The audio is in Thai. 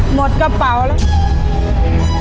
หมดกระเป๋าแล้ว